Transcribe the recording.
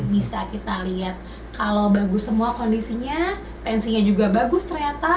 bisa kita lihat kalau bagus semua kondisinya tensinya juga bagus ternyata